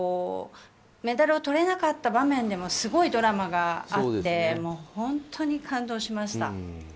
メダルをとれなかった場面でもすごいドラマがあって本当に感動しました。